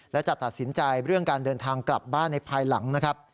และจะตัดสินใจเรื่องการเดินทางกลับบ้านในภายหลังนะครับ